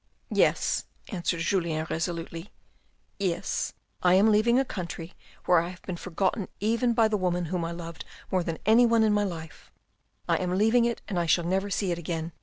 "" Yes," answered Julien resolutely, " yes, I am leaving a country where I have been forgotten even by the woman whom I loved more than anyone in my life; I am leaving it and I shall never see it again.